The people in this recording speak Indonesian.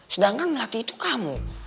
sedangkan melati itu kamu